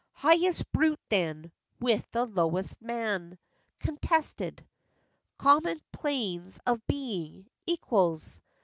Highest brute then With the lowest man, contested Common planes of being, equals.